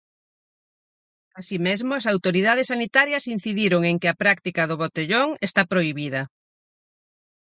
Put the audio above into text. Así mesmo, as autoridades sanitarias incidiron en que a práctica do botellón está prohibida.